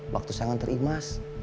waktu sayang nanti terimas